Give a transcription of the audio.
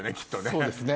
そうですね。